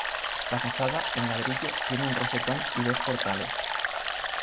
La fachada, en ladrillo, tiene un rosetón y dos portales.